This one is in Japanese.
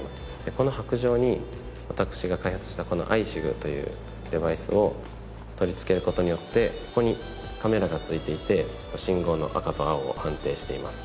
この白杖に私が開発したこのＡＩＳＩＧというデバイスを取り付ける事によってここにカメラが付いていて信号の赤と青を判定しています。